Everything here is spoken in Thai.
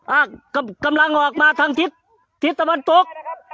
อ่ะกำลังออกมาทางทิศทิศตะวันตก